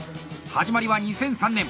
始まりは２００３年。